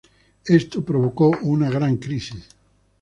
Esto provocó una gran crisis.